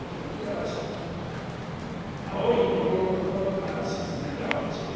青いもののところから雫が落ちる。